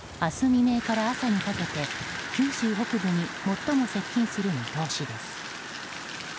未明から朝にかけて九州北部に最も接近する見通しです。